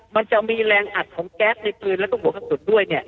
มันจะมีแรงอัดของแก๊บในปืนแล้วก็หัวข้างสุดด้วย